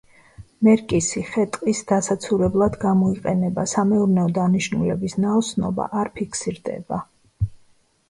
მერკისი ხე-ტყის დასაცურებლად გამოიყენება, სამეურნეო დანიშნულების ნაოსნობა არ ფიქსირდება.